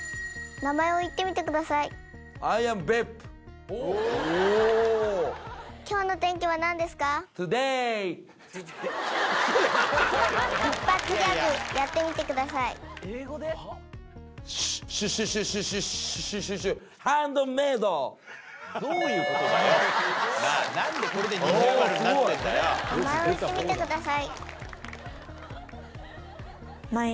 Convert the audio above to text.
名前を言ってみてください。